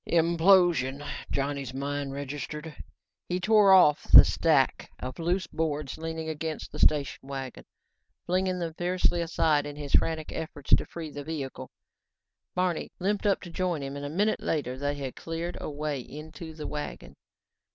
"Implosion," Johnny's mind registered. He tore at the stack of loose boards leaning against the station wagon, flinging them fiercely aside in his frantic efforts to free the vehicle. Barney limped up to join him and a minute later they had cleared a way into the wagon.